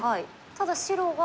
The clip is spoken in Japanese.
ただ白は。